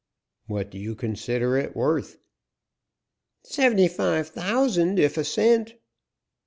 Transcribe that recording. "What do you consider it worth?" "Seventy five thousand, if a cent."